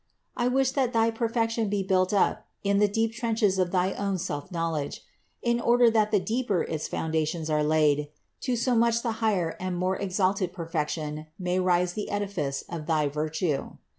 I wish that thy perfection be built up in the deep trenches of thy own self knowledge; in order that the deeper its foundations are laid, to so much the higher and more exalted perfection may rise the edifice of thy virtue.